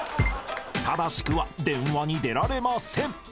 ［正しくは「電話に出られません」］